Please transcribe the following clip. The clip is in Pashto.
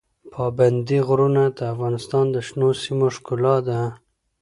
پابندی غرونه د افغانستان د شنو سیمو ښکلا ده.